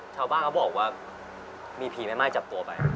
เช้าบ้านเขาบอกว่ามีผีไม่ม่ายจับตัวไป